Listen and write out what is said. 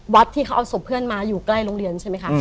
วัดที่เขาเอาศพเพื่อนมาอยู่ใกล้โรงเรียนใช่ไหมคะ